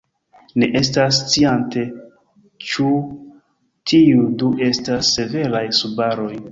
Ne estas sciate ĉu tiuj du estas severaj subaroj.